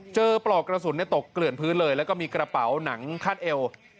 ปลอกกระสุนตกเกลื่อนพื้นเลยแล้วก็มีกระเป๋าหนังคาดเอว